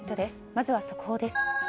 まずは速報です。